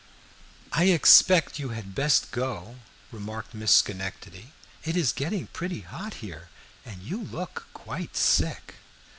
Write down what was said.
"I expect you had best go," remarked Miss Schenectady. "It is getting pretty hot here, and you look quite sick."